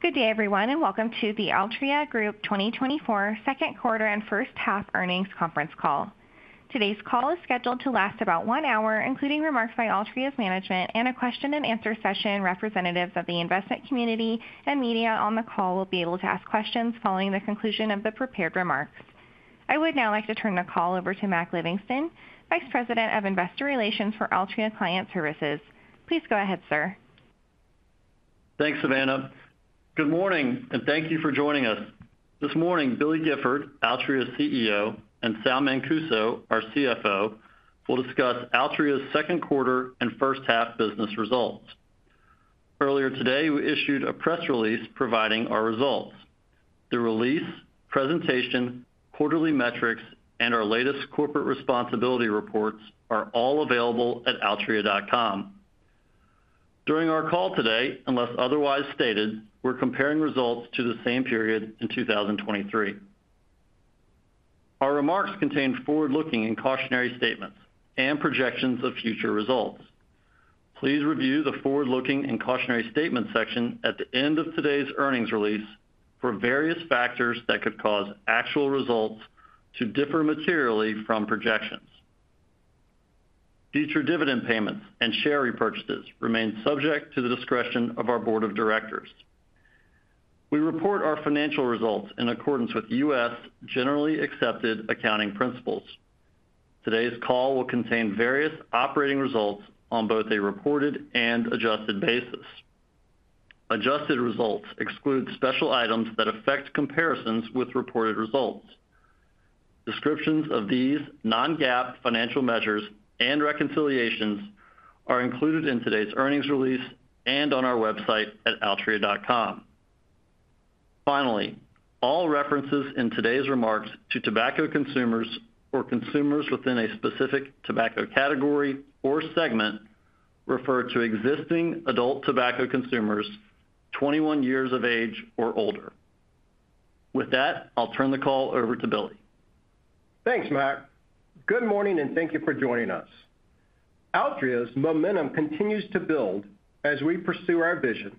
Good day, everyone, and welcome to the Altria Group 2024 second quarter and first half earnings conference call. Today's call is scheduled to last about one hour, including remarks by Altria's management and a question-and-answer session. Representatives of the investment community and media on the call will be able to ask questions following the conclusion of the prepared remarks. I would now like to turn the call over to Mac Livingston, Vice President of Investor Relations for Altria Client Services. Please go ahead, sir. Thanks, Savannah. Good morning, and thank you for joining us. This morning, Billy Gifford, Altria's CEO, and Sal Mancuso, our CFO, will discuss Altria's second quarter and first half business results. Earlier today, we issued a press release providing our results. The release, presentation, quarterly metrics, and our latest corporate responsibility reports are all available at altria.com. During our call today, unless otherwise stated, we're comparing results to the same period in 2023. Our remarks contain forward-looking and cautionary statements and projections of future results. Please review the forward-looking and cautionary statement section at the end of today's earnings release for various factors that could cause actual results to differ materially from projections. Future dividend payments and share repurchases remain subject to the discretion of our board of directors. We report our financial results in accordance with U.S. generally accepted accounting principles. Today's call will contain various operating results on both a reported and adjusted basis. Adjusted results exclude special items that affect comparisons with reported results. Descriptions of these non-GAAP financial measures and reconciliations are included in today's earnings release and on our website at altria.com. Finally, all references in today's remarks to tobacco consumers or consumers within a specific tobacco category or segment refer to existing adult tobacco consumers 21 years of age or older. With that, I'll turn the call over to Billy. Thanks, Mac. Good morning, and thank you for joining us. Altria's momentum continues to build as we pursue our vision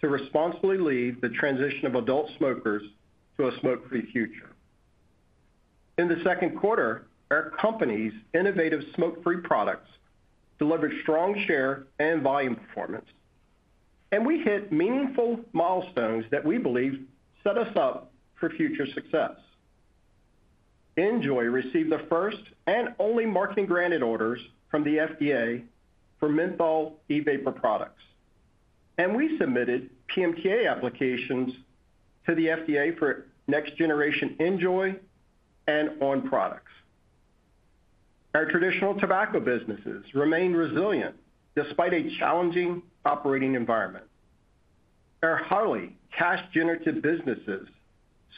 to responsibly lead the transition of adult smokers to a smoke-free future. In the second quarter, our company's innovative smoke-free products delivered strong share and volume performance, and we hit meaningful milestones that we believe set us up for future success. NJOY received the first and only marketing granted orders from the FDA for menthol e-vapor products, and we submitted PMTA applications to the FDA for next generation NJOY and on! products. Our traditional tobacco businesses remain resilient despite a challenging operating environment. Our highly cash-generative businesses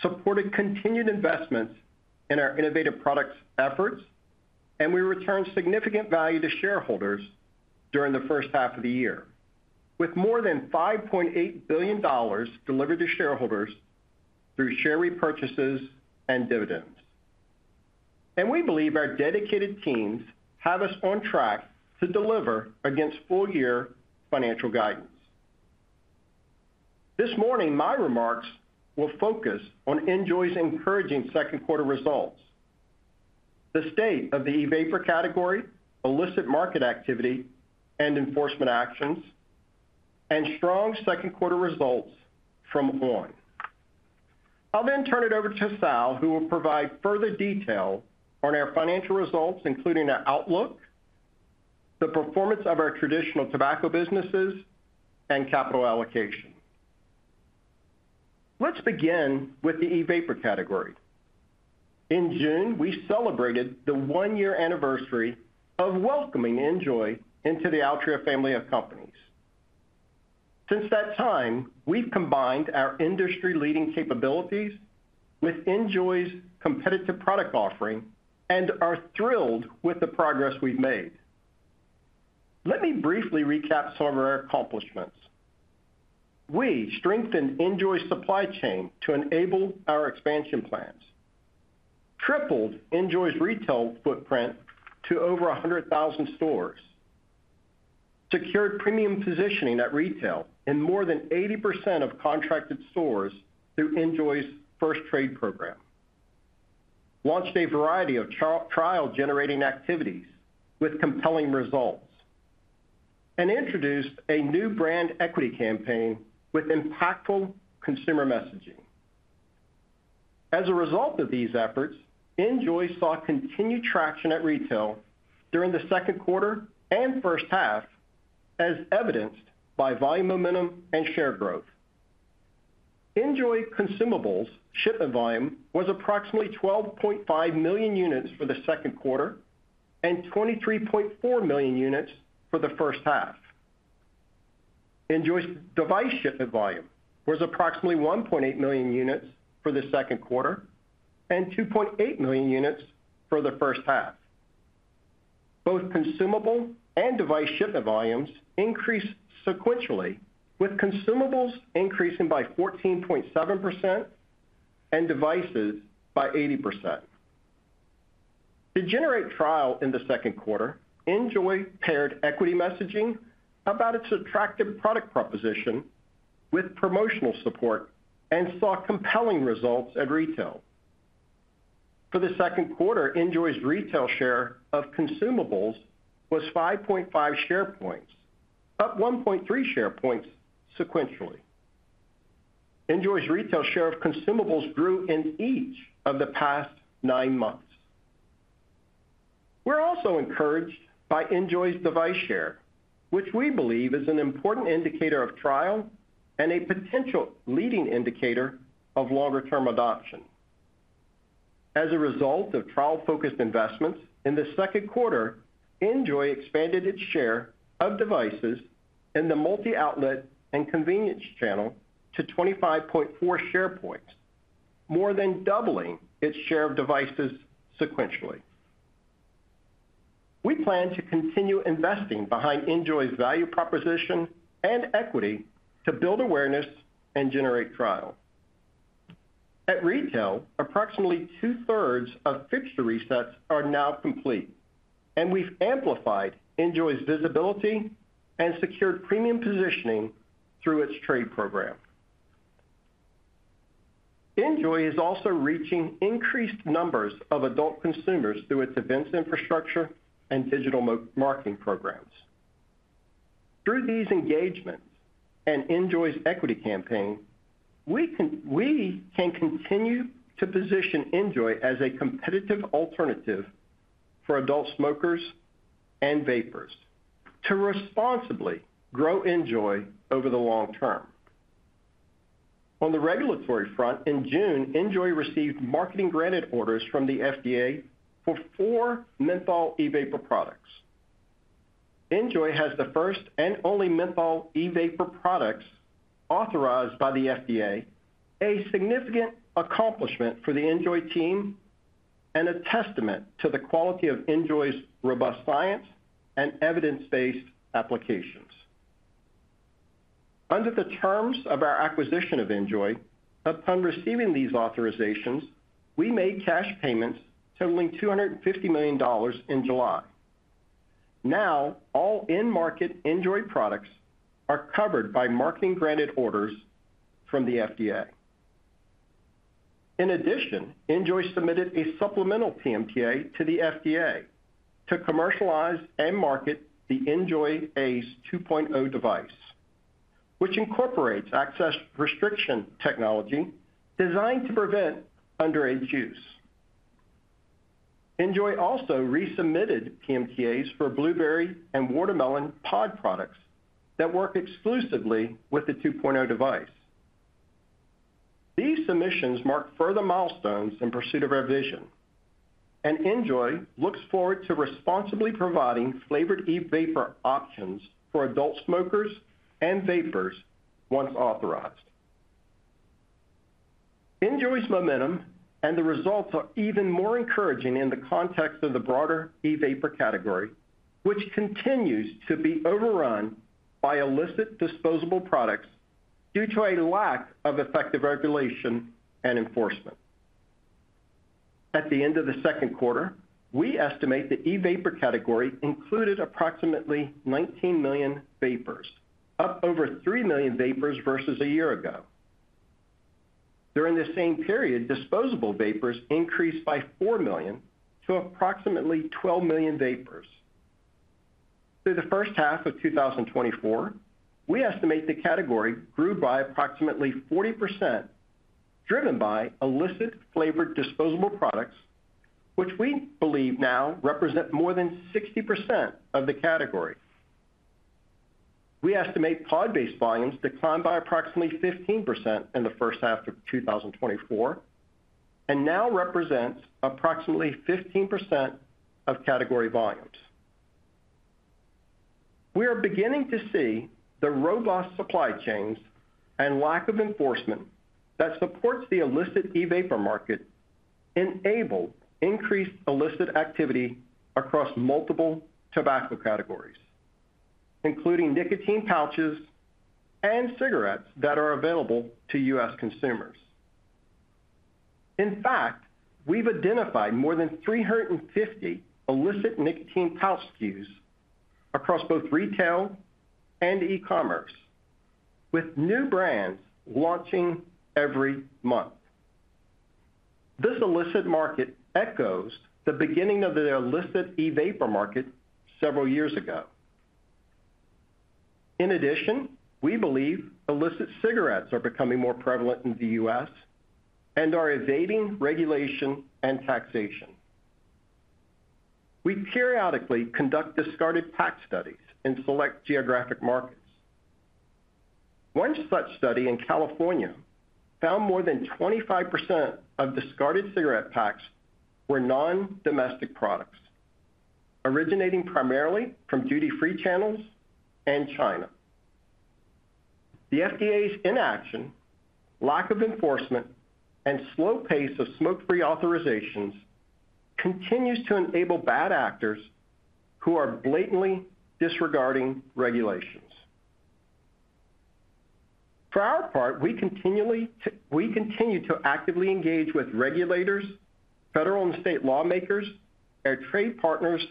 supported continued investments in our innovative products efforts, and we returned significant value to shareholders during the first half of the year, with more than $5.8 billion delivered to shareholders through share repurchases and dividends. We believe our dedicated teams have us on track to deliver against full-year financial guidance. This morning, my remarks will focus on NJOY's encouraging second quarter results, the state of the e-vapor category, illicit market activity and enforcement actions, and strong second quarter results from on!. I'll then turn it over to Sal, who will provide further detail on our financial results, including our outlook, the performance of our traditional tobacco businesses, and capital allocation. Let's begin with the e-vapor category. In June, we celebrated the one-year anniversary of welcoming NJOY into the Altria family of companies. Since that time, we've combined our industry-leading capabilities with NJOY's competitive product offering and are thrilled with the progress we've made. Let me briefly recap some of our accomplishments. We strengthened NJOY's supply chain to enable our expansion plans, tripled NJOY's retail footprint to over 100,000 stores, secured premium positioning at retail in more than 80% of contracted stores through NJOY's first trade program, launched a variety of trial-generating activities with compelling results, and introduced a new brand equity campaign with impactful consumer messaging. As a result of these efforts, NJOY saw continued traction at retail during the second quarter and first half, as evidenced by volume, momentum, and share growth. NJOY consumables shipment volume was approximately 12.5 million units for the second quarter and 23.4 million units for the first half. NJOY's device shipment volume was approximately 1.8 million units for the second quarter and 2.8 million units for the first half. Both consumable and device shipment volumes increased sequentially, with consumables increasing by 14.7% and devices by 80%.... To generate trial in the second quarter, NJOY paired equity messaging about its attractive product proposition with promotional support, and saw compelling results at retail. For the second quarter, NJOY's retail share of consumables was 5.5 share points, up 1.3 share points sequentially. NJOY's retail share of consumables grew in each of the past nine months. We're also encouraged by NJOY's device share, which we believe is an important indicator of trial and a potential leading indicator of longer-term adoption. As a result of trial-focused investments, in the second quarter, NJOY expanded its share of devices in the multi-outlet and convenience channel to 25.4 share points, more than doubling its share of devices sequentially. We plan to continue investing behind NJOY's value proposition and equity to build awareness and generate trial. At retail, approximately 2/3 of fixture resets are now complete, and we've amplified NJOY's visibility and secured premium positioning through its trade program. NJOY is also reaching increased numbers of adult consumers through its events infrastructure and digital marketing programs. Through these engagements and NJOY's equity campaign, we can continue to position NJOY as a competitive alternative for adult smokers and vapers to responsibly grow NJOY over the long term. On the regulatory front, in June, NJOY received marketing granted orders from the FDA for four menthol e-vapor products. NJOY has the first and only menthol e-vapor products authorized by the FDA, a significant accomplishment for the NJOY team and a testament to the quality of NJOY's robust science and evidence-based applications. Under the terms of our acquisition of NJOY, upon receiving these authorizations, we made cash payments totaling $250 million in July. Now, all in-market NJOY products are covered by marketing granted orders from the FDA. In addition, NJOY submitted a supplemental PMTA to the FDA to commercialize and market the NJOY ACE 2.0 device, which incorporates access restriction technology designed to prevent underage use. NJOY also resubmitted PMTAs for blueberry and watermelon pod products that work exclusively with the 2.0 device. These submissions mark further milestones in pursuit of our vision, and NJOY looks forward to responsibly providing flavored e-vapor options for adult smokers and vapers once authorized. NJOY's momentum and the results are even more encouraging in the context of the broader e-vapor category, which continues to be overrun by illicit disposable products due to a lack of effective regulation and enforcement. At the end of the second quarter, we estimate the e-vapor category included approximately 19 million vapers, up over three million vapers versus a year ago. During the same period, disposable vapers increased by four million to approximately 12 million vapers. Through the first half of 2024, we estimate the category grew by approximately 40%, driven by illicit flavored disposable products, which we believe now represent more than 60% of the category. We estimate pod-based volumes declined by approximately 15% in the first half of 2024, and now represents approximately 15% of category volumes. We are beginning to see the robust supply chains and lack of enforcement that supports the illicit e-vapor market enable increased illicit activity across multiple tobacco categories, including nicotine pouches and cigarettes that are available to U.S. consumers. In fact, we've identified more than 350 illicit nicotine pouch SKUs across both retail and e-commerce, with new brands launching every month. This illicit market echoes the beginning of the illicit e-vapor market several years ago. In addition, we believe illicit cigarettes are becoming more prevalent in the U.S. and are evading regulation and taxation. We periodically conduct discarded pack studies in select geographic markets. One such study in California found more than 25% of discarded cigarette packs were non-domestic products, originating primarily from duty-free channels and China. The FDA's inaction, lack of enforcement, and slow pace of smoke-free authorizations continues to enable bad actors who are blatantly disregarding regulations. For our part, we continue to actively engage with regulators, federal and state lawmakers, our trade partners,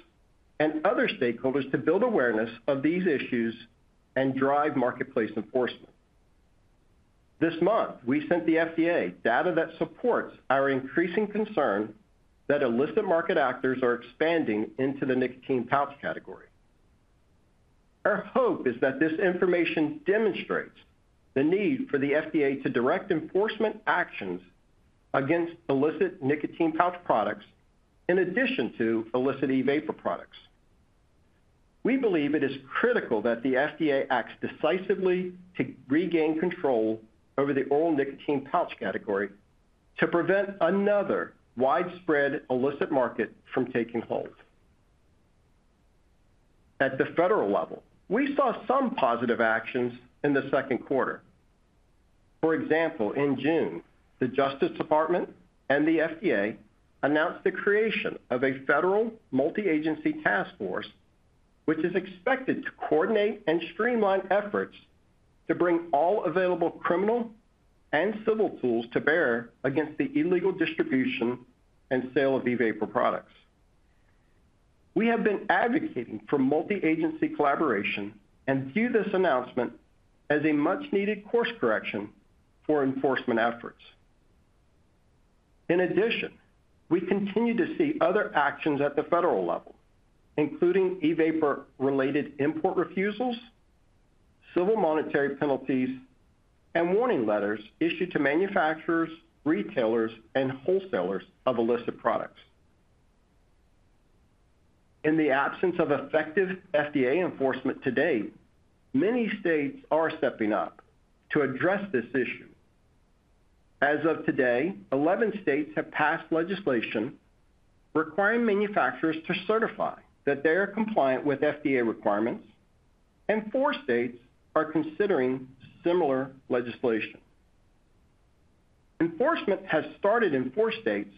and other stakeholders to build awareness of these issues and drive marketplace enforcement. This month, we sent the FDA data that supports our increasing concern that illicit market actors are expanding into the nicotine pouch category. Our hope is that this information demonstrates the need for the FDA to direct enforcement actions against illicit nicotine pouch products, in addition to illicit e-vapor products. We believe it is critical that the FDA acts decisively to regain control over the oral nicotine pouch category, to prevent another widespread illicit market from taking hold. At the federal level, we saw some positive actions in the second quarter. For example, in June, the Justice Department and the FDA announced the creation of a federal multi-agency task force, which is expected to coordinate and streamline efforts to bring all available criminal and civil tools to bear against the illegal distribution and sale of e-vapor products. We have been advocating for multi-agency collaboration and view this announcement as a much-needed course correction for enforcement efforts. In addition, we continue to see other actions at the federal level, including e-vapor related import refusals, civil monetary penalties, and warning letters issued to manufacturers, retailers, and wholesalers of illicit products. In the absence of effective FDA enforcement today, many states are stepping up to address this issue. As of today, 11 states have passed legislation requiring manufacturers to certify that they are compliant with FDA requirements, and four states are considering similar legislation. Enforcement has started in four states,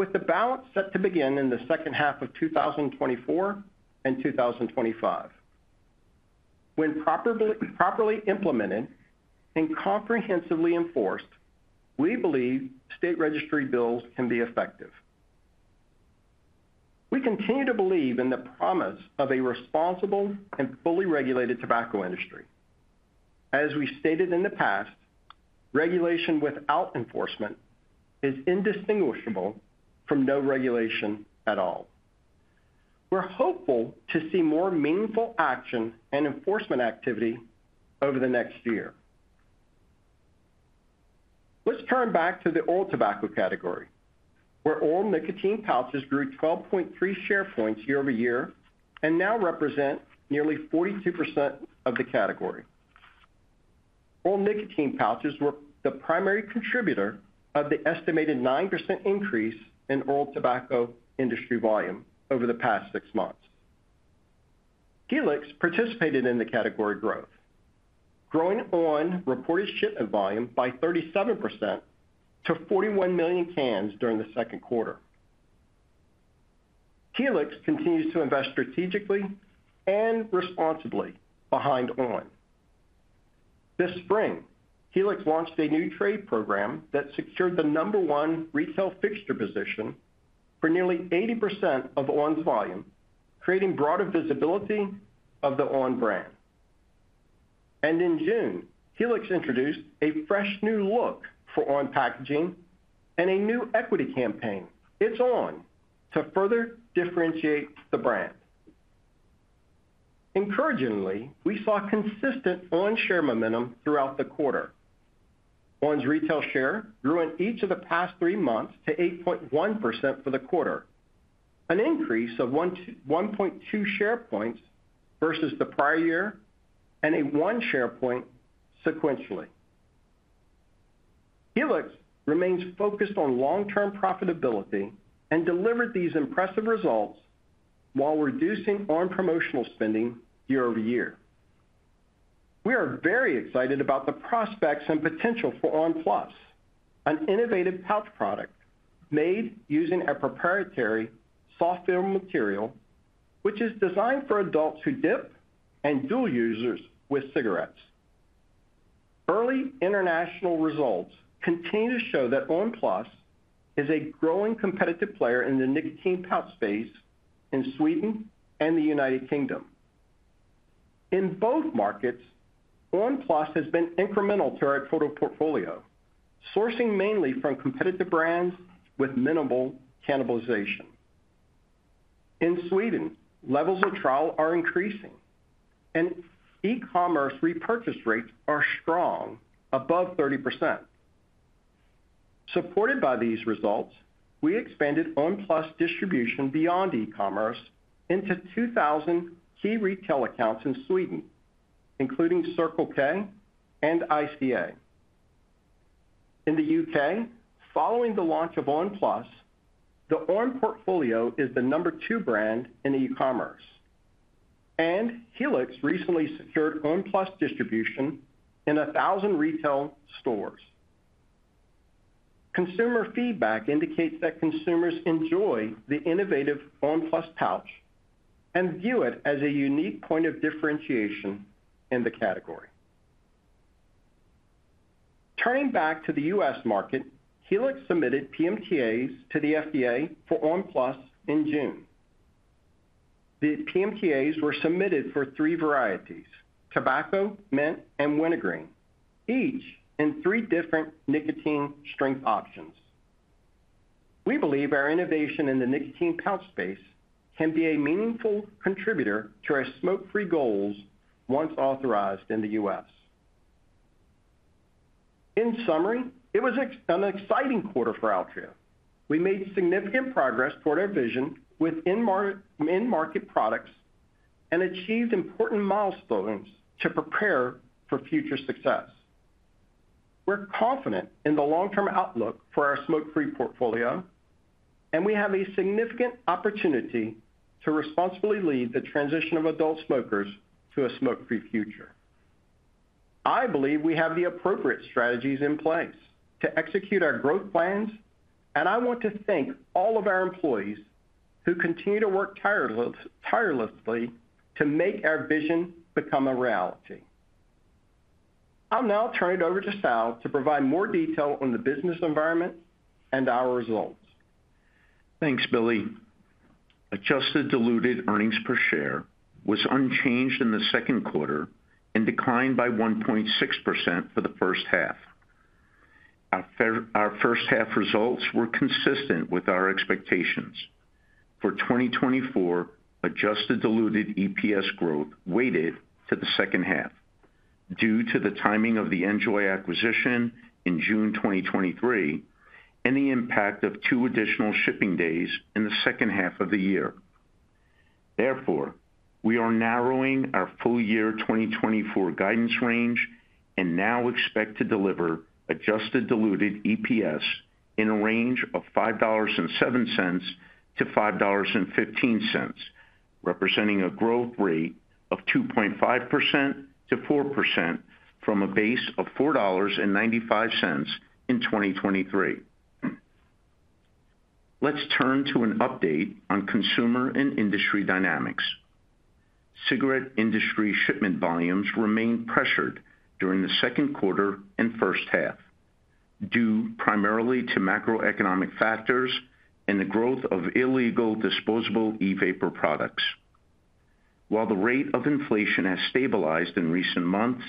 with the balance set to begin in the second half of 2024 and 2025. When properly implemented and comprehensively enforced, we believe state registry bills can be effective. We continue to believe in the promise of a responsible and fully regulated tobacco industry. As we stated in the past, regulation without enforcement is indistinguishable from no regulation at all. We're hopeful to see more meaningful action and enforcement activity over the next year. Let's turn back to the oral tobacco category, where oral nicotine pouches grew 12.3 share points year-over-year and now represent nearly 42% of the category. Oral nicotine pouches were the primary contributor of the estimated 9% increase in oral tobacco industry volume over the past six months. Helix participated in the category growth, growing on! reported shipment volume by 37% to 41 million cans during the second quarter. Helix continues to invest strategically and responsibly behind on! This spring, Helix launched a new trade program that secured the number one retail fixture position for nearly 80% of on!'s volume, creating broader visibility of the on! brand. In June, Helix introduced a fresh new look for on! packaging and a new equity campaign. It's on! to further differentiate the brand. Encouragingly, we saw consistent on! share momentum throughout the quarter. on!'s retail share grew in each of the past three months to 8.1% for the quarter, an increase of 1.2 share points versus the prior year and a one share point sequentially. Helix remains focused on long-term profitability and delivered these impressive results while reducing on! promotional spending year-over-year. We are very excited about the prospects and potential for on!, an innovative pouch product made using a proprietary soft film material, which is designed for adults who dip and dual users with cigarettes. Early international results continue to show that on! PLUS is a growing competitive player in the nicotine pouch space in Sweden and the United Kingdom. In both markets, on! PLUS has been incremental to our total portfolio, sourcing mainly from competitive brands with minimal cannibalization. In Sweden, levels of trial are increasing, and e-commerce repurchase rates are strong, above 30%. Supported by these results, we expanded on! PLUS distribution beyond e-commerce into 2,000 key retail accounts in Sweden, including Circle K and ICA. In the U.K., following the launch of on! PLUS, the on! portfolio is the number two brand in e-commerce, and Helix recently secured on! PLUS distribution in 1,000 retail stores. Consumer feedback indicates that consumers enjoy the innovative on! PLUS pouch and view it as a unique point of differentiation in the category. Turning back to the U.S. market, Helix submitted PMTAs to the FDA for on! PLUS in June. The PMTAs were submitted for three varieties: tobacco, mint, and wintergreen, each in three different nicotine strength options. We believe our innovation in the nicotine pouch space can be a meaningful contributor to our smoke-free goals once authorized in the U.S. In summary, it was an exciting quarter for Altria. We made significant progress toward our vision with in-market products, and achieved important milestones to prepare for future success. We're confident in the long-term outlook for our smoke-free portfolio, and we have a significant opportunity to responsibly lead the transition of adult smokers to a smoke-free future. I believe we have the appropriate strategies in place to execute our growth plans, and I want to thank all of our employees who continue to work tirelessly to make our vision become a reality. I'll now turn it over to Sal to provide more detail on the business environment and our results. Thanks, Billy. Adjusted diluted earnings per share was unchanged in the second quarter and declined by 1.6% for the first half. Overall, our first half results were consistent with our expectations. For 2024, adjusted diluted EPS growth weighted to the second half due to the timing of the NJOY acquisition in June 2023, and the impact of two additional shipping days in the second half of the year. Therefore, we are narrowing our full-year 2024 guidance range, and now expect to deliver adjusted diluted EPS in a range of $5.07-$5.15, representing a growth rate of 2.5%-4% from a base of $4.95 in 2023. Let's turn to an update on consumer and industry dynamics. Cigarette industry shipment volumes remained pressured during the second quarter and first half, due primarily to macroeconomic factors and the growth of illegal disposable e-vapor products. While the rate of inflation has stabilized in recent months,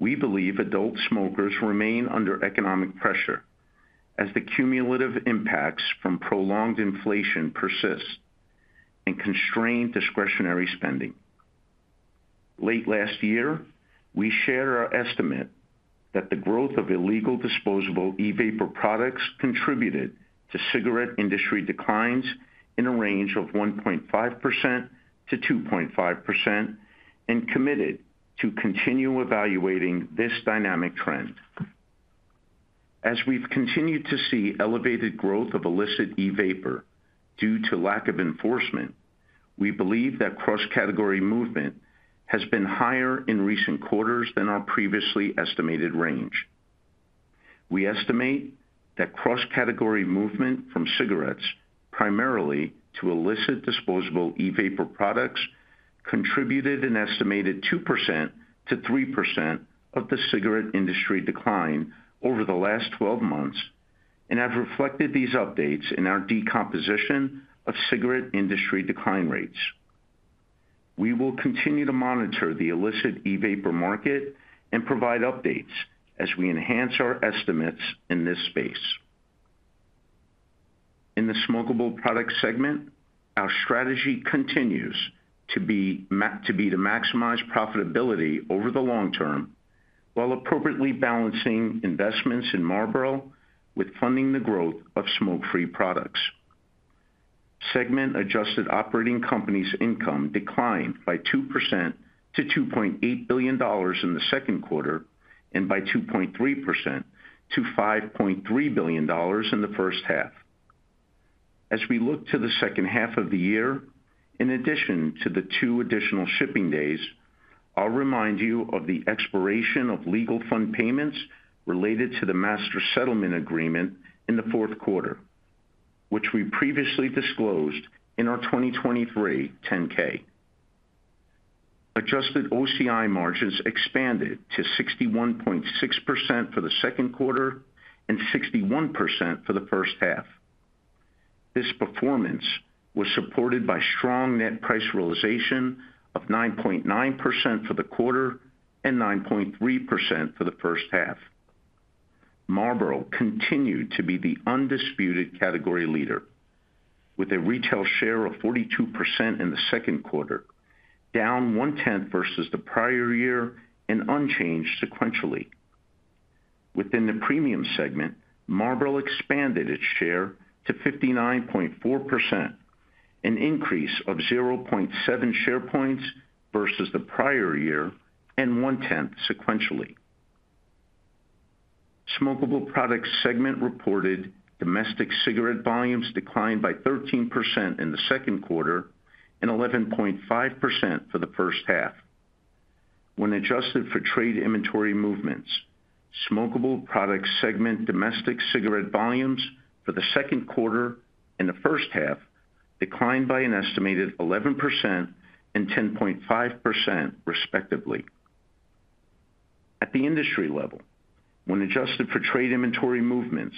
we believe adult smokers remain under economic pressure as the cumulative impacts from prolonged inflation persist and constrain discretionary spending. Late last year, we shared our estimate that the growth of illegal disposable e-vapor products contributed to cigarette industry declines in a range of 1.5%-2.5%, and committed to continue evaluating this dynamic trend. As we've continued to see elevated growth of illicit e-vapor due to lack of enforcement, we believe that cross-category movement has been higher in recent quarters than our previously estimated range. We estimate that cross-category movement from cigarettes, primarily to illicit disposable e-vapor products, contributed an estimated 2%-3% of the cigarette industry decline over the last 12 months, and have reflected these updates in our decomposition of cigarette industry decline rates. We will continue to monitor the illicit e-vapor market and provide updates as we enhance our estimates in this space. In the smokable product segment, our strategy continues to be to be to maximize profitability over the long term, while appropriately balancing investments in Marlboro with funding the growth of smoke-free products. Segment adjusted operating companies income declined by 2% to $2.8 billion in the second quarter, and by 2.3% to $5.3 billion in the first half. As we look to the second half of the year, in addition to the two additional shipping days, I'll remind you of the expiration of legal fund payments related to the Master Settlement Agreement in the fourth quarter, which we previously disclosed in our 2023 10-K. Adjusted OCI margins expanded to 61.6% for the second quarter and 61% for the first half. This performance was supported by strong net price realization of 9.9% for the quarter and 9.3% for the first half. Marlboro continued to be the undisputed category leader, with a retail share of 42% in the second quarter, down 0.1 versus the prior year and unchanged sequentially. Within the premium segment, Marlboro expanded its share to 59.4%, an increase of 0.7 share points versus the prior year and 0.1 sequentially. Smokable products segment reported domestic cigarette volumes declined by 13% in the second quarter and 11.5% for the first half. When adjusted for trade inventory movements, smokable products segment domestic cigarette volumes for the second quarter and the first half declined by an estimated 11% and 10.5%, respectively. At the industry level, when adjusted for trade inventory movements,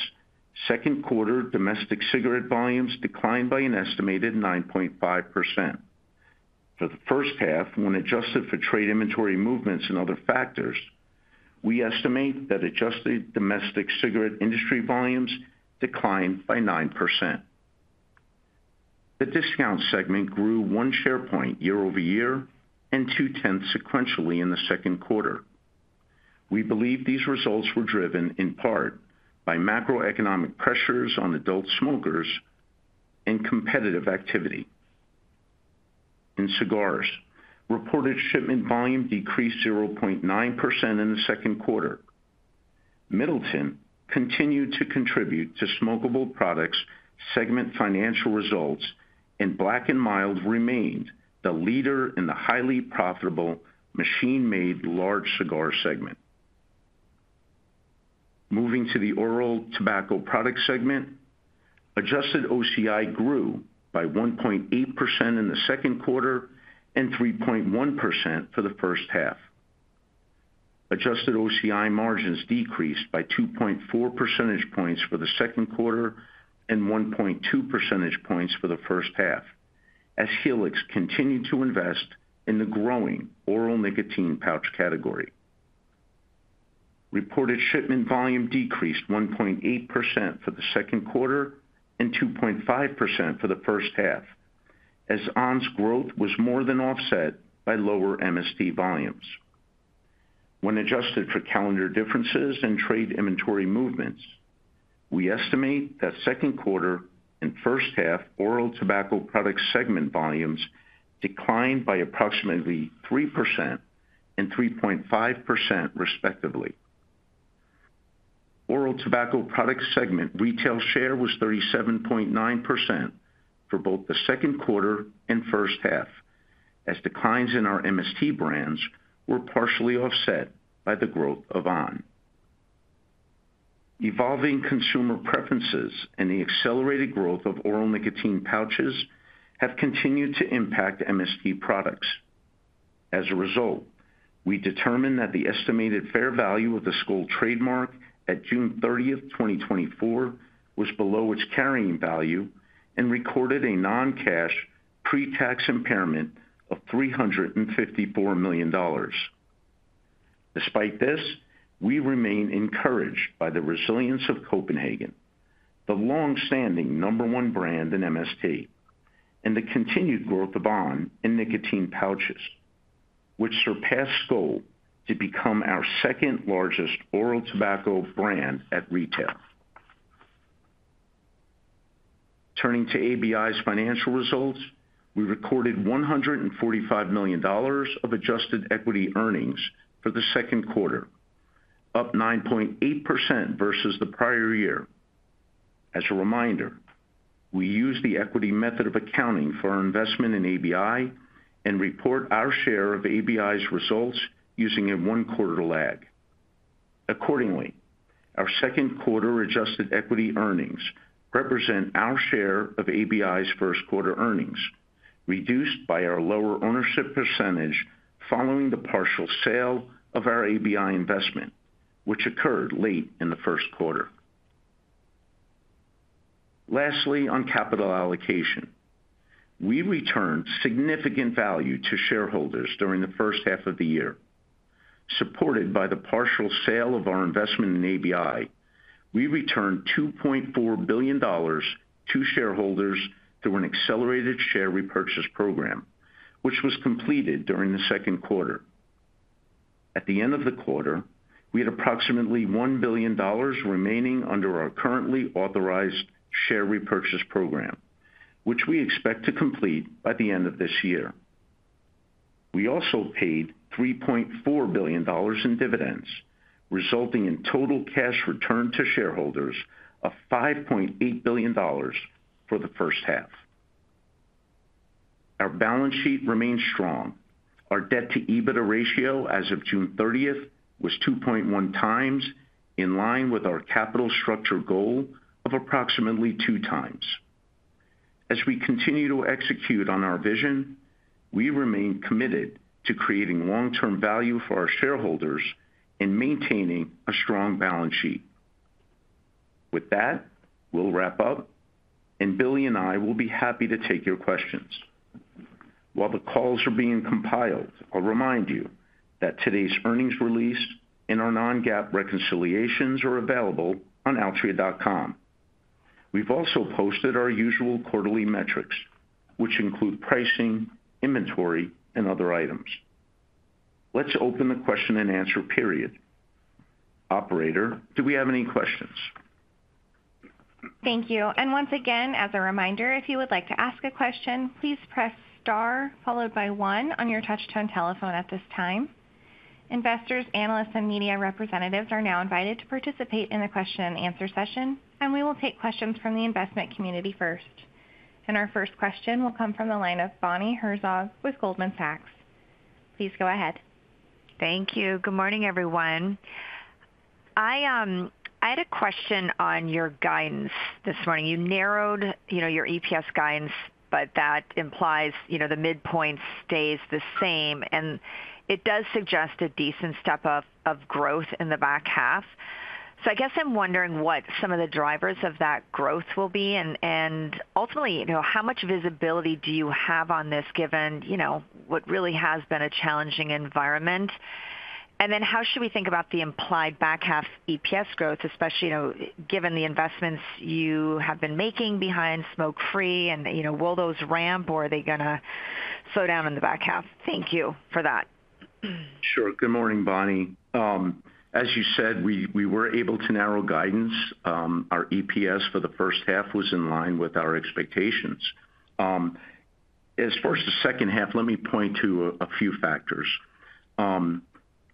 second quarter domestic cigarette volumes declined by an estimated 9.5%. For the first half, when adjusted for trade inventory movements and other factors, we estimate that adjusted domestic cigarette industry volumes declined by 9%. The discount segment grew one share point year-over-year and 0.2 sequentially in the second quarter. We believe these results were driven in part by macroeconomic pressures on adult smokers and competitive activity. In cigars, reported shipment volume decreased 0.9% in the second quarter. Middleton continued to contribute to smokable products segment financial results, and Black & Mild remained the leader in the highly profitable machine-made large cigar segment. Moving to the oral tobacco product segment, adjusted OCI grew by 1.8% in the second quarter and 3.1% for the first half. Adjusted OCI margins decreased by 2.4 percentage points for the second quarter and 1.2 percentage points for the first half, as Helix continued to invest in the growing oral nicotine pouch category. Reported shipment volume decreased 1.8% for the second quarter and 2.5% for the first half, as on!'s growth was more than offset by lower MST volumes. When adjusted for calendar differences and trade inventory movements, we estimate that second quarter and first half oral tobacco product segment volumes declined by approximately 3% and 3.5%, respectively. Oral tobacco product segment retail share was 37.9% for both the second quarter and first half, as declines in our MST brands were partially offset by the growth of on!. Evolving consumer preferences and the accelerated growth of oral nicotine pouches have continued to impact MST products. As a result, we determined that the estimated fair value of the Skoal trademark at June 30th, 2024, was below its carrying value and recorded a non-cash pretax impairment of $354 million. Despite this, we remain encouraged by the resilience of Copenhagen, the long-standing number one brand in MST, and the continued growth of on! in nicotine pouches, which surpassed Skoal to become our second-largest oral tobacco brand at retail. Turning to ABI's financial results, we recorded $145 million of adjusted equity earnings for the second quarter, up 9.8% versus the prior year. As a reminder, we use the equity method of accounting for our investment in ABI and report our share of ABI's results using a one-quarter lag. Accordingly, our second quarter adjusted equity earnings represent our share of ABI's first quarter earnings, reduced by our lower ownership percentage following the partial sale of our ABI investment, which occurred late in the first quarter. Lastly, on capital allocation, we returned significant value to shareholders during the first half of the year. Supported by the partial sale of our investment in ABI, we returned $2.4 billion to shareholders through an accelerated share repurchase program, which was completed during the second quarter. At the end of the quarter, we had approximately $1 billion remaining under our currently authorized share repurchase program, which we expect to complete by the end of this year. We also paid $3.4 billion in dividends, resulting in total cash returned to shareholders of $5.8 billion for the first half. Our balance sheet remains strong. Our debt-to-EBITDA ratio as of June 30th was 2.1x, in line with our capital structure goal of approximately 2x. As we continue to execute on our vision, we remain committed to creating long-term value for our shareholders and maintaining a strong balance sheet. With that, we'll wrap up, and Billy and I will be happy to take your questions. While the calls are being compiled, I'll remind you that today's earnings release and our non-GAAP reconciliations are available on altria.com. We've also posted our usual quarterly metrics, which include pricing, inventory, and other items. Let's open the question-and-answer period. Operator, do we have any questions? Thank you. Once again, as a reminder, if you would like to ask a question, please press star followed by one on your touch-tone telephone at this time. Investors, analysts, and media representatives are now invited to participate in the question-and-answer session, and we will take questions from the investment community first.... Our first question will come from the line of Bonnie Herzog with Goldman Sachs. Please go ahead. Thank you. Good morning, everyone. I, I had a question on your guidance this morning. You narrowed, you know, your EPS guidance, but that implies, you know, the midpoint stays the same, and it does suggest a decent step-up of growth in the back half. So I guess I'm wondering what some of the drivers of that growth will be, and, and ultimately, you know, how much visibility do you have on this, given, you know, what really has been a challenging environment? And then how should we think about the implied back half EPS growth, especially, you know, given the investments you have been making behind smoke-free and, you know, will those ramp or are they gonna slow down in the back half? Thank you for that. Sure. Good morning, Bonnie. As you said, we were able to narrow guidance. Our EPS for the first half was in line with our expectations. As far as the second half, let me point to a few factors.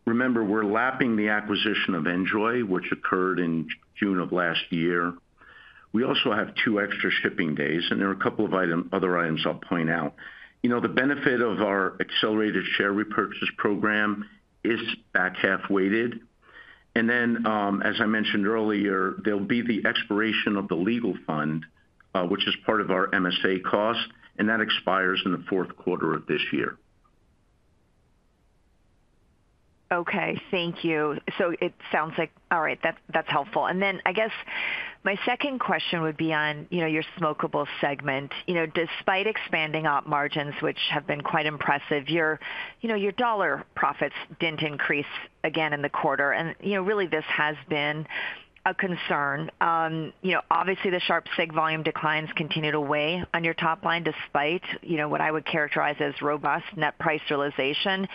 Remember, we're lapping the acquisition of NJOY, which occurred in June of last year. We also have two extra shipping days, and there are a couple of other items I'll point out. You know, the benefit of our accelerated share repurchase program is back-half weighted. And then, as I mentioned earlier, there'll be the expiration of the legal fund, which is part of our MSA cost, and that expires in the fourth quarter of this year. Okay, thank you. So it sounds like... All right, that's, that's helpful. And then I guess my second question would be on, you know, your smokable segment. You know, despite expanding op margins, which have been quite impressive, your, you know, your dollar profits didn't increase again in the quarter, and, you know, really, this has been a concern. You know, obviously, the sharp seg volume declines continued to weigh on your top line, despite, you know, what I would characterize as robust net price realization.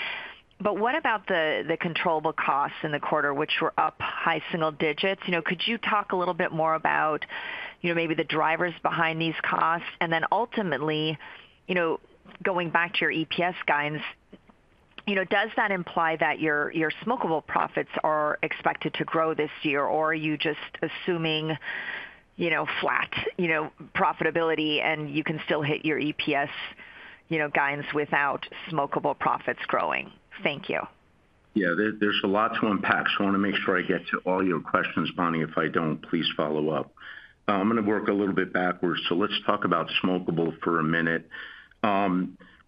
But what about the, the controllable costs in the quarter, which were up high single digits? You know, could you talk a little bit more about, you know, maybe the drivers behind these costs? And then ultimately, you know, going back to your EPS guidance, you know, does that imply that your, your smokable profits are expected to grow this year, or are you just assuming, you know, flat, you know, profitability, and you can still hit your EPS, you know, guidance without smokable profits growing? Thank you. Yeah, there, there's a lot to unpack, so I want to make sure I get to all your questions, Bonnie. If I don't, please follow-up. I'm gonna work a little bit backwards, so let's talk about smokable for a minute.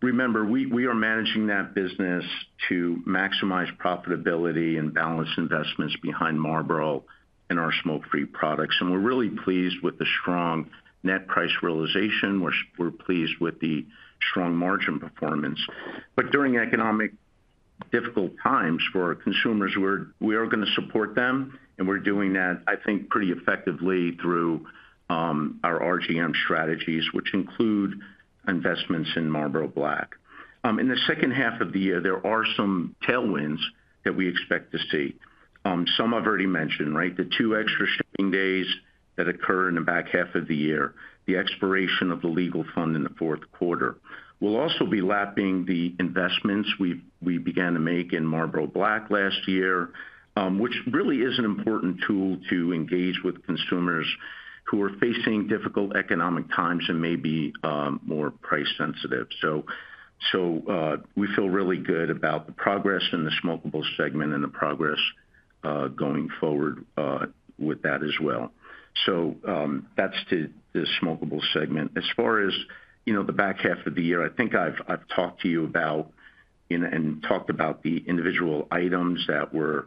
Remember, we are managing that business to maximize profitability and balance investments behind Marlboro and our smoke-free products, and we're really pleased with the strong net price realization. We're pleased with the strong margin performance. But during economic difficult times for our consumers, we are gonna support them, and we're doing that, I think, pretty effectively through our RGM strategies, which include investments in Marlboro Black. In the second half of the year, there are some tailwinds that we expect to see. Some I've already mentioned, right? The two extra shipping days that occur in the back half of the year, the expiration of the legal fund in the fourth quarter. We'll also be lapping the investments we began to make in Marlboro Black last year, which really is an important tool to engage with consumers who are facing difficult economic times and may be more price sensitive. So, we feel really good about the progress in the smokable segment and the progress going forward with that as well. So, that's to the smokable segment. As far as, you know, the back half of the year, I think I've talked to you about and talked about the individual items that will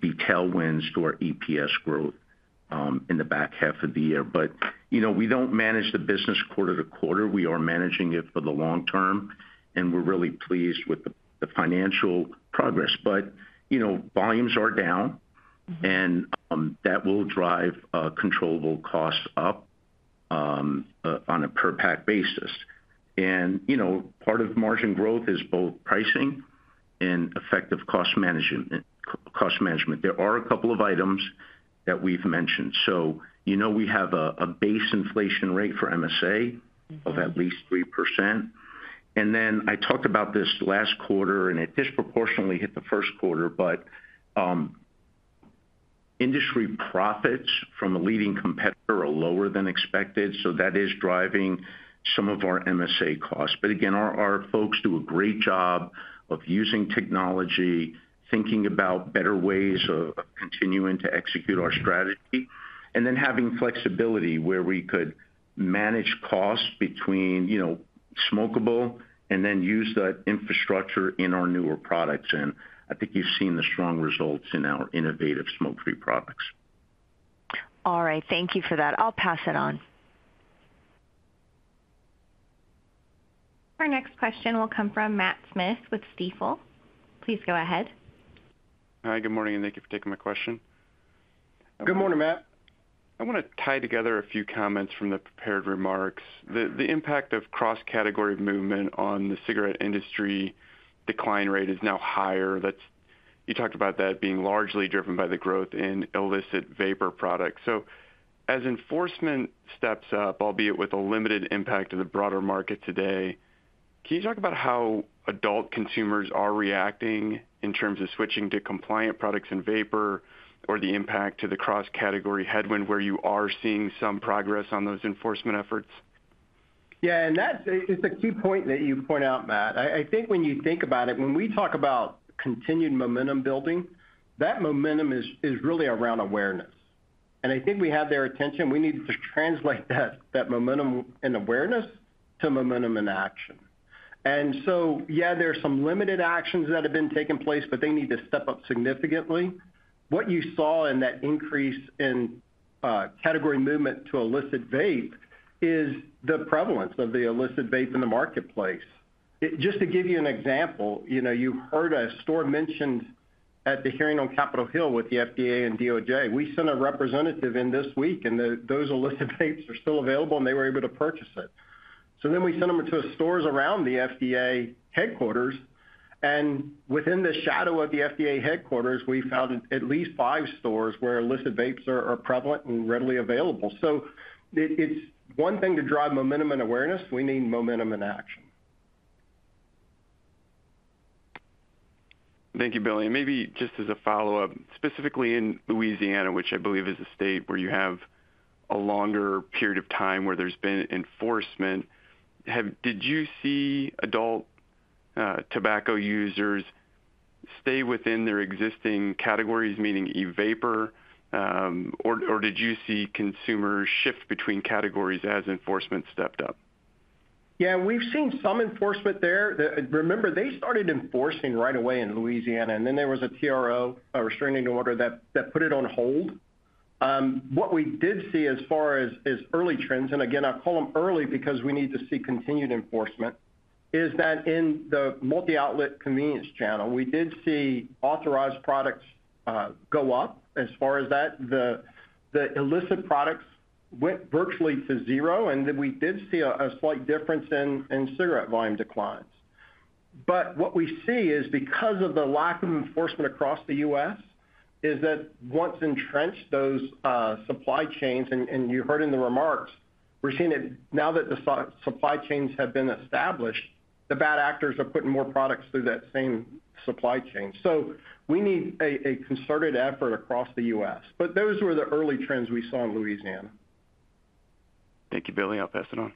be tailwinds to our EPS growth in the back half of the year. But, you know, we don't manage the business quarter to quarter. We are managing it for the long term, and we're really pleased with the, the financial progress. But, you know, volumes are down, and that will drive controllable costs up on a per pack basis. And, you know, part of margin growth is both pricing and effective cost management. There are a couple of items that we've mentioned. So, you know, we have a base inflation rate for MSA of at least 3%. And then I talked about this last quarter, and it disproportionately hit the first quarter, but industry profits from a leading competitor are lower than expected, so that is driving some of our MSA costs. But again, our folks do a great job of using technology, thinking about better ways of continuing to execute our strategy, and then having flexibility where we could manage costs between, you know, smokable and then use that infrastructure in our newer products. And I think you've seen the strong results in our innovative smoke-free products. All right. Thank you for that. I'll pass it on. Our next question will come from Matt Smith with Stifel. Please go ahead. Hi, good morning, and thank you for taking my question. Good morning, Matt. I want to tie together a few comments from the prepared remarks. The impact of cross-category movement on the cigarette industry decline rate is now higher. That's. You talked about that being largely driven by the growth in illicit vapor products. So as enforcement steps up, albeit with a limited impact to the broader market today,... Can you talk about how adult consumers are reacting in terms of switching to compliant products and vapor, or the impact to the cross-category headwind, where you are seeing some progress on those enforcement efforts? Yeah, and that's, it's a key point that you point out, Matt. I think when you think about it, when we talk about continued momentum building, that momentum is really around awareness. And I think we have their attention. We need to translate that momentum and awareness to momentum and action. And so, yeah, there are some limited actions that have been taking place, but they need to step up significantly. What you saw in that increase in category movement to illicit vape is the prevalence of the illicit vape in the marketplace. Just to give you an example, you know, you heard a store mentioned at the hearing on Capitol Hill with the FDA and DOJ. We sent a representative in this week, and those illicit vapes are still available, and they were able to purchase it. So then we sent them to the stores around the FDA headquarters, and within the shadow of the FDA headquarters, we found at least five stores where illicit vapes are prevalent and readily available. It's one thing to drive momentum and awareness. We need momentum and action. Thank you, Billy. And maybe just as a follow-up, specifically in Louisiana, which I believe is a state where you have a longer period of time where there's been enforcement, did you see adult tobacco users stay within their existing categories, meaning e-vapor, or did you see consumers shift between categories as enforcement stepped up? Yeah, we've seen some enforcement there. Remember, they started enforcing right away in Louisiana, and then there was a TRO, a restraining order, that put it on hold. What we did see as far as early trends, and again, I call them early because we need to see continued enforcement, is that in the multi-outlet convenience channel, we did see authorized products go up as far as that. The illicit products went virtually to zero, and then we did see a slight difference in cigarette volume declines. But what we see is because of the lack of enforcement across the U.S., is that once entrenched, those supply chains, and you heard in the remarks, we're seeing it now that the supply chains have been established, the bad actors are putting more products through that same supply chain. So we need a concerted effort across the U.S. But those were the early trends we saw in Louisiana. Thank you, Billy. I'll pass it on.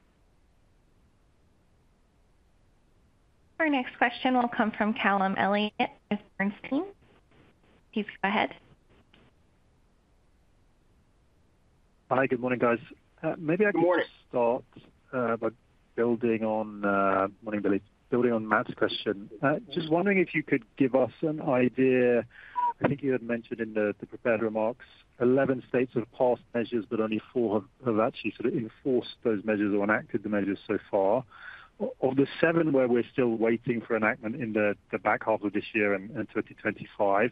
Our next question will come from Callum Elliott of Bernstein. You can go ahead. Hi, good morning, guys. Maybe I can- Good morning Start by building on morning, Billy. Building on Matt's question, just wondering if you could give us an idea. I think you had mentioned in the prepared remarks, 11 states have passed measures, but only four have actually sort of enforced those measures or enacted the measures so far. Of the seven, where we're still waiting for enactment in the back half of this year and 2025,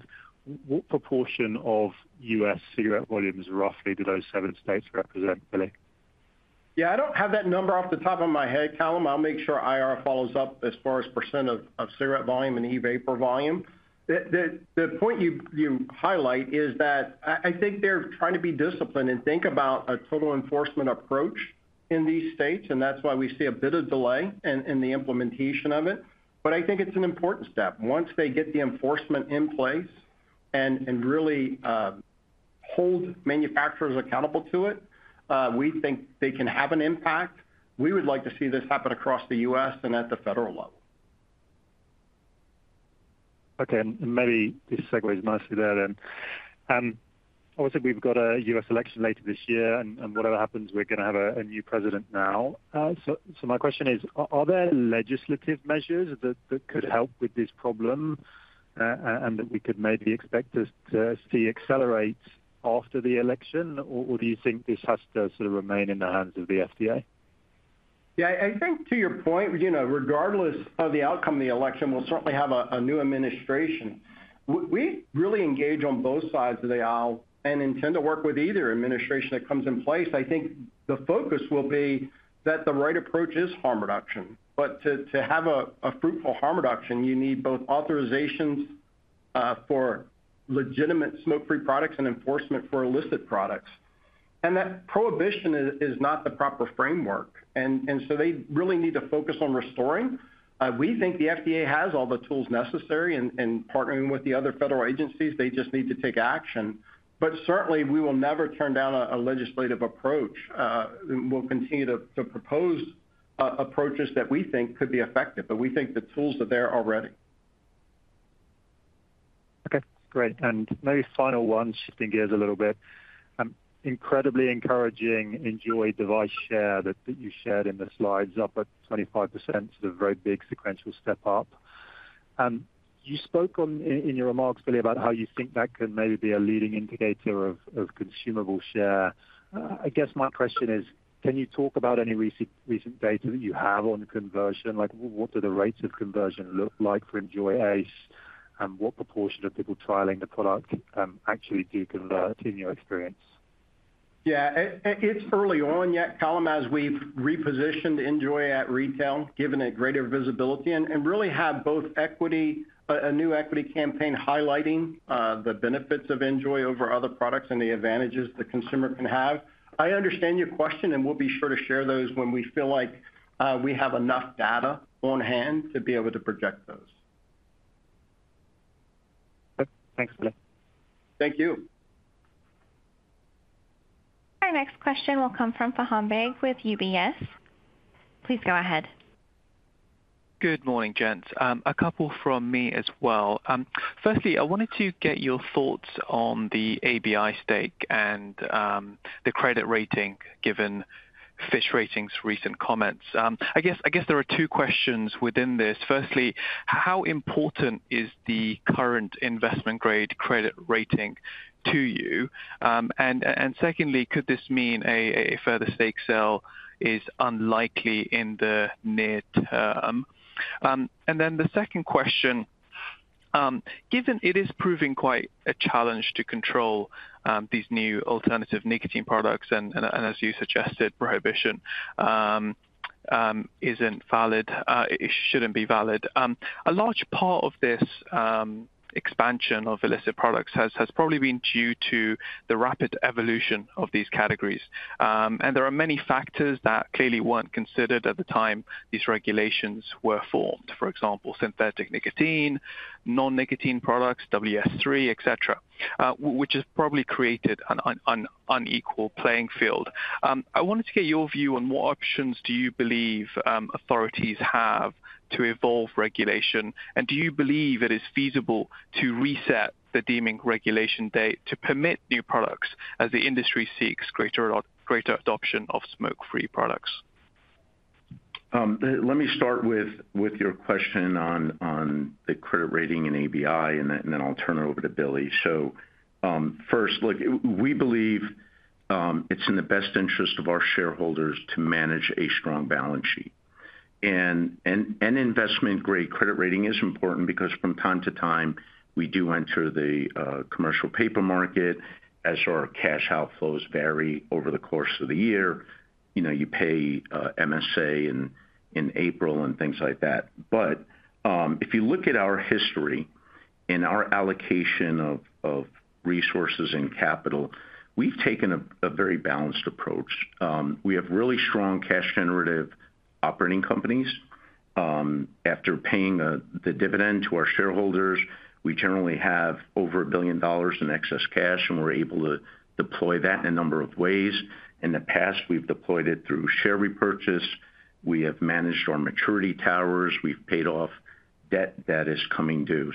what proportion of U.S. cigarette volumes, roughly, do those seven states represent, Billy? Yeah, I don't have that number off the top of my head, Callum. I'll make sure IR follows up as far as percent of cigarette volume and e-vapor volume. The point you highlight is that I think they're trying to be disciplined and think about a total enforcement approach in these states, and that's why we see a bit of delay in the implementation of it. But I think it's an important step. Once they get the enforcement in place and really hold manufacturers accountable to it, we think they can have an impact. We would like to see this happen across the U.S. and at the federal level. Okay, and maybe this segues nicely there then. Obviously, we've got a U.S. election later this year, and, and whatever happens, we're going to have a, a new president now. So, so my question is, are there legislative measures that, that could help with this problem, and, and that we could maybe expect to, to see accelerate after the election? Or, or do you think this has to sort of remain in the hands of the FDA? Yeah, I think to your point, you know, regardless of the outcome of the election, we'll certainly have a new administration. We really engage on both sides of the aisle and intend to work with either administration that comes in place. I think the focus will be that the right approach is harm reduction. But to have a fruitful harm reduction, you need both authorizations for legitimate smoke-free products and enforcement for illicit products. And that prohibition is not the proper framework. And so they really need to focus on restoring. We think the FDA has all the tools necessary in and partnering with the other federal agencies. They just need to take action. But certainly, we will never turn down a legislative approach. We'll continue to propose approaches that we think could be effective, but we think the tools are there already. Okay, great. And maybe final one, shifting gears a little bit. Incredibly encouraging, NJOY device share that, that you shared in the slides, up at 25%. It's a very big sequential step up. You spoke on, in, in your remarks, Billy, about how you think that can maybe be a leading indicator of, of consumable share. I guess my question is, can you talk about any recent, recent data that you have on the conversion? Like, what do the rates of conversion look like for NJOY ACE? And what proportion of people trialing the product, actually do convert in your experience? Yeah, it's early on yet, Callum, as we've repositioned NJOY at retail, given a greater visibility and really have both equity, a new equity campaign highlighting the benefits of NJOY over other products and the advantages the consumer can have. I understand your question, and we'll be sure to share those when we feel like we have enough data on hand to be able to project those. ... Thanks, Billy. Thank you. Our next question will come from Faham Baig with UBS. Please go ahead. Good morning, gents. A couple from me as well. Firstly, I wanted to get your thoughts on the ABI stake and the credit rating, given Fitch Ratings' recent comments. I guess there are two questions within this. Firstly, how important is the current investment grade credit rating to you? And secondly, could this mean a further stake sale is unlikely in the near term? And then the second question, given it is proving quite a challenge to control these new alternative nicotine products, and as you suggested, prohibition isn't valid, it shouldn't be valid. A large part of this expansion of illicit products has probably been due to the rapid evolution of these categories. And there are many factors that clearly weren't considered at the time these regulations were formed. For example, synthetic nicotine, non-nicotine products, WS-3, et cetera, which has probably created an unequal playing field. I wanted to get your view on what options do you believe authorities have to evolve regulation, and do you believe it is feasible to reset the Deeming Regulation date to permit new products as the industry seeks greater or greater adoption of smoke-free products? Let me start with your question on the credit rating in ABI, and then I'll turn it over to Billy. So, first, look, we believe it's in the best interest of our shareholders to manage a strong balance sheet. And an investment-grade credit rating is important because from time to time, we do enter the commercial paper market as our cash outflows vary over the course of the year. You know, you pay MSA in April and things like that. But if you look at our history and our allocation of resources and capital, we've taken a very balanced approach. We have really strong cash generative operating companies. After paying, the dividend to our shareholders, we generally have over $1 billion in excess cash, and we're able to deploy that in a number of ways. In the past, we've deployed it through share repurchase. We have managed our maturity towers. We've paid off debt that is coming due.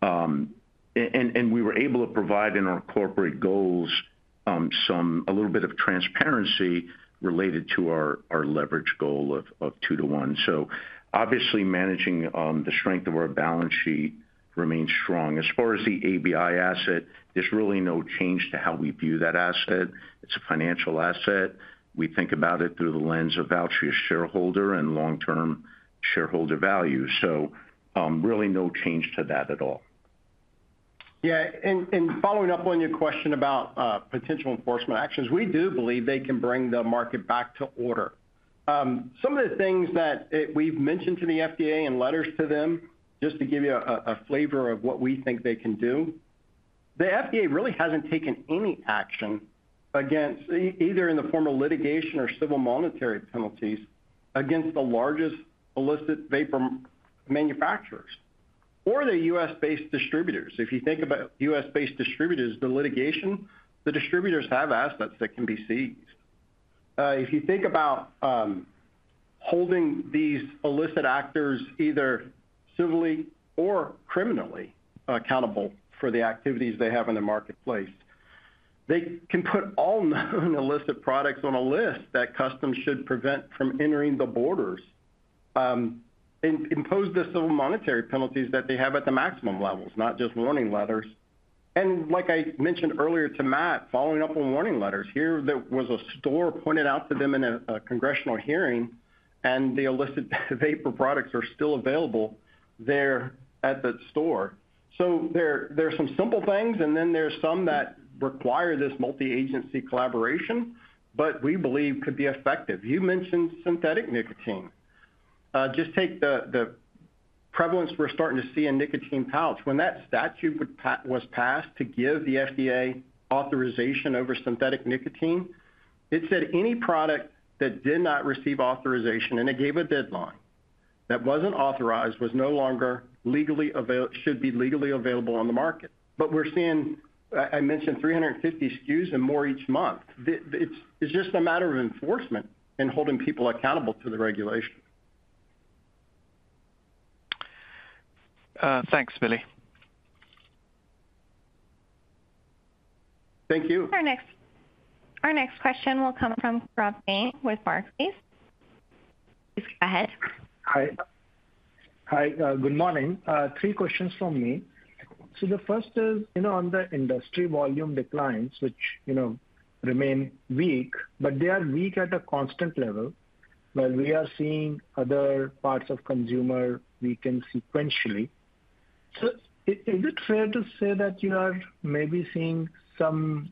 And we were able to provide in our corporate goals, some a little bit of transparency related to our, our leverage goal of two-to-one. So obviously, managing the strength of our balance sheet remains strong. As far as the ABI asset, there's really no change to how we view that asset. It's a financial asset. We think about it through the lens of Altria shareholder and long-term shareholder value, so really no change to that at all. Yeah, and following up on your question about potential enforcement actions, we do believe they can bring the market back to order. Some of the things that we've mentioned to the FDA in letters to them, just to give you a flavor of what we think they can do, the FDA really hasn't taken any action against either in the form of litigation or civil monetary penalties, against the largest illicit vapor manufacturers or the U.S.-based distributors. If you think about U.S.-based distributors, the litigation, the distributors have assets that can be seized. If you think about holding these illicit actors, either civilly or criminally accountable for the activities they have in the marketplace, they can put all known illicit products on a list that Customs should prevent from entering the borders, and impose the civil monetary penalties that they have at the maximum levels, not just warning letters. And like I mentioned earlier to Matt, following up on warning letters, here there was a store pointed out to them in a congressional hearing, and the illicit vapor products are still available there at the store. So there are some simple things, and then there's some that require this multi-agency collaboration, but we believe could be effective. You mentioned synthetic nicotine. Just take the prevalence we're starting to see in nicotine pouch. When that statute was passed to give the FDA authorization over synthetic nicotine, it said any product that did not receive authorization, and it gave a deadline, that wasn't authorized, was no longer legally available, should be legally available on the market. But we're seeing, I mentioned 350 SKUs and more each month. It's just a matter of enforcement and holding people accountable to the regulation. Thanks, Billy. Thank you. Our next question will come from Gaurav Jain with Barclays. Please go ahead. Hi. Hi, good morning. Three questions from me. So the first is, you know, on the industry volume declines, which, you know, remain weak, but they are weak at a constant level, while we are seeing other parts of consumer weaken sequentially. So is it fair to say that you are maybe seeing some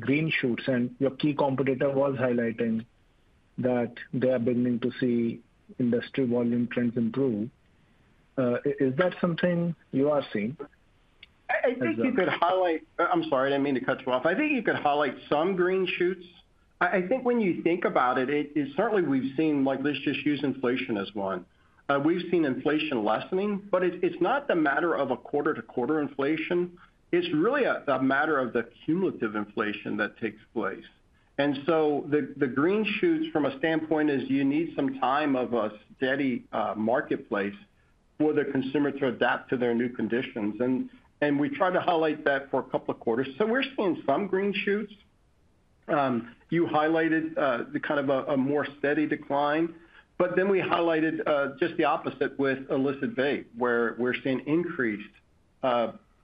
green shoots and your key competitor was highlighting that they are beginning to see industry volume trends improve? Is that something you are seeing? I think you could highlight... I'm sorry, I didn't mean to cut you off. I think you could highlight some green shoots... I think when you think about it, it, certainly we've seen, like, let's just use inflation as one. We've seen inflation lessening, but it, it's not the matter of a quarter-to-quarter inflation. It's really a matter of the cumulative inflation that takes place. And we tried to highlight that for a couple of quarters. So we're seeing some green shoots. You highlighted the kind of a more steady decline, but then we highlighted just the opposite with illicit vape, where we're seeing increased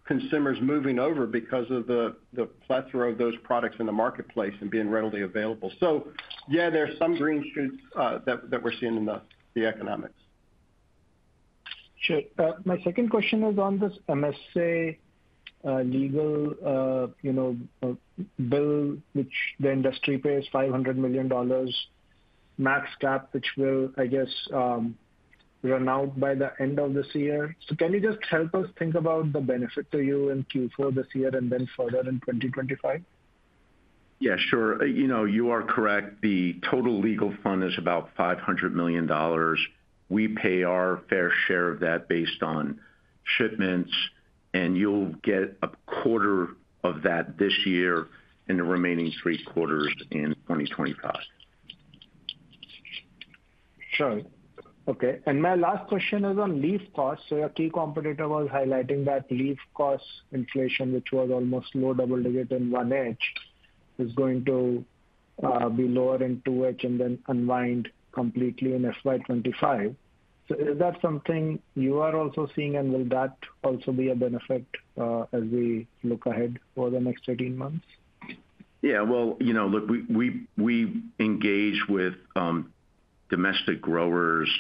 consumers moving over because of the plethora of those products in the marketplace and being readily available. So yeah, there are some green shoots that we're seeing in the economics. Sure. My second question is on this MSA, legal, you know, bill, which the industry pays $500 million max cap, which will, I guess, run out by the end of this year. So can you just help us think about the benefit to you in Q4 this year and then further in 2025? Yeah, sure. You know, you are correct. The total legal fund is about $500 million. We pay our fair share of that based on shipments, and you'll get a quarter of that this year and the remaining three quarters in 2025. Sure. Okay, and my last question is on leaf costs. So your key competitor was highlighting that leaf cost inflation, which was almost low double digit in 1Q, is going to be lower in 2Q and then unwind completely in FY 2025. So is that something you are also seeing, and will that also be a benefit as we look ahead over the next 18 months? Yeah, well, you know, look, we engage with domestic growers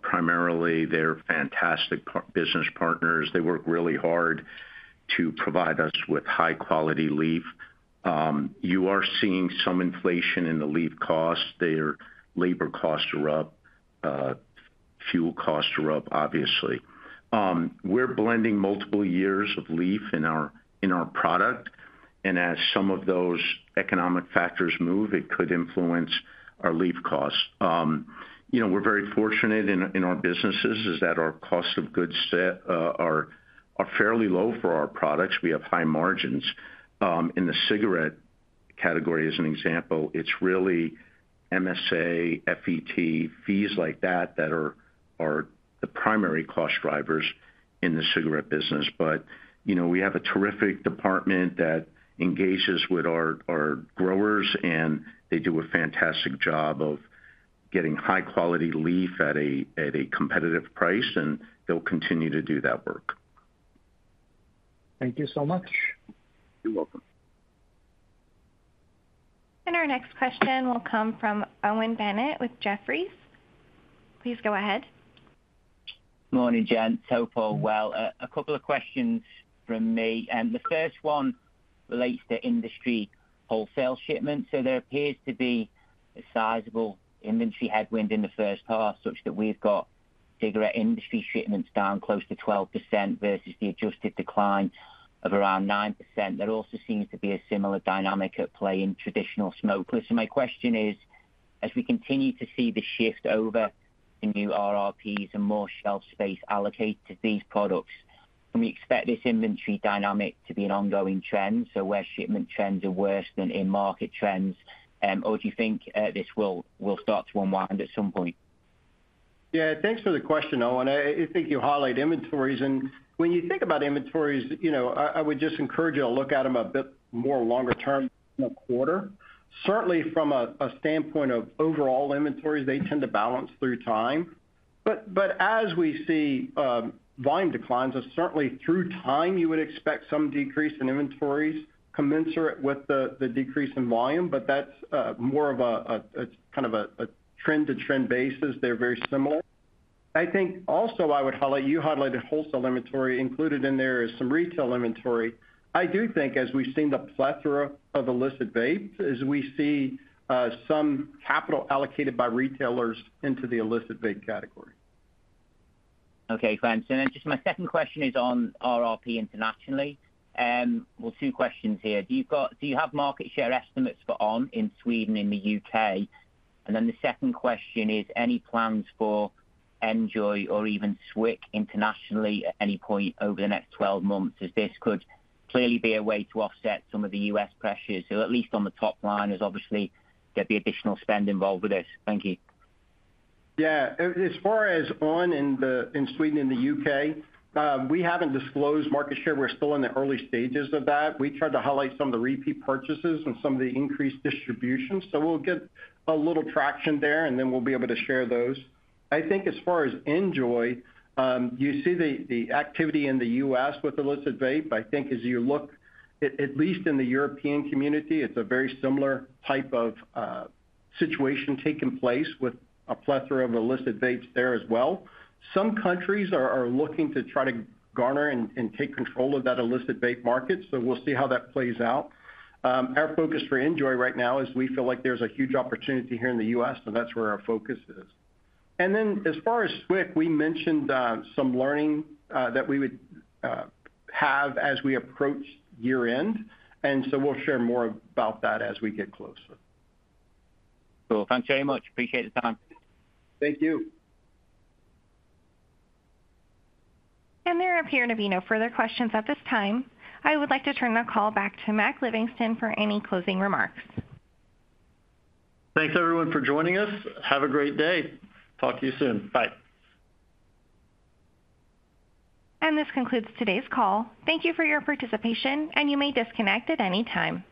primarily. They're fantastic business partners. They work really hard to provide us with high-quality leaf. You are seeing some inflation in the leaf costs. Their labor costs are up. Fuel costs are up, obviously. We're blending multiple years of leaf in our product, and as some of those economic factors move, it could influence our leaf costs. You know, we're very fortunate in our businesses is that our cost of goods sold are fairly low for our products. We have high margins. In the cigarette category, as an example, it's really MSA, FET, fees like that, that are the primary cost drivers in the cigarette business. But, you know, we have a terrific department that engages with our growers, and they do a fantastic job of getting high quality leaf at a competitive price, and they'll continue to do that work. Thank you so much. You're welcome. Our next question will come from Owen Bennett with Jefferies. Please go ahead. Morning, gents. Hope all well. A couple of questions from me, and the first one relates to industry wholesale shipments. So there appears to be a sizable inventory headwind in the first half, such that we've got cigarette industry shipments down close to 12% versus the adjusted decline of around 9%. There also seems to be a similar dynamic at play in traditional smokeless. So my question is: as we continue to see the shift over the new RRPs and more shelf space allocated to these products, can we expect this inventory dynamic to be an ongoing trend, so where shipment trends are worse than in-market trends? Or do you think this will start to unwind at some point? Yeah, thanks for the question, Owen. I think you highlighted inventories, and when you think about inventories, you know, I would just encourage you to look at them a bit more longer term than a quarter. Certainly, from a standpoint of overall inventories, they tend to balance through time. But as we see volume declines, and certainly through time, you would expect some decrease in inventories commensurate with the decrease in volume, but that's more of a kind of a trend-to-trend basis. They're very similar. I think also I would highlight. You highlighted wholesale inventory. Included in there is some retail inventory. I do think, as we've seen the plethora of illicit vapes, is we see some capital allocated by retailers into the illicit vape category. Okay, thanks. And then just my second question is on RRP internationally. Well, two questions here. Do you have market share estimates for on! in Sweden and the U.K.? And then the second question is, any plans for NJOY or even SWIC internationally at any point over the next 12 months, as this could clearly be a way to offset some of the U.S. pressures? So at least on the top line, there's obviously get the additional spend involved with this. Thank you. Yeah. As far as on!, in Sweden and the U.K., we haven't disclosed market share. We're still in the early stages of that. We tried to highlight some of the repeat purchases and some of the increased distribution, so we'll get a little traction there, and then we'll be able to share those. I think as far as NJOY, you see the activity in the U.S. with illicit vape. I think as you look at least in the European Community, it's a very similar type of situation taking place with a plethora of illicit vapes there as well. Some countries are looking to try to garner and take control of that illicit vape market, so we'll see how that plays out. Our focus for NJOY right now is we feel like there's a huge opportunity here in the U.S., so that's where our focus is. And then as far as SWIC, we mentioned some learning that we would have as we approach year-end, and so we'll share more about that as we get closer. Cool. Thanks very much. Appreciate the time. Thank you. There appear to be no further questions at this time. I would like to turn the call back to Mac Livingston for any closing remarks. Thanks, everyone, for joining us. Have a great day. Talk to you soon. Bye. This concludes today's call. Thank you for your participation, and you may disconnect at any time.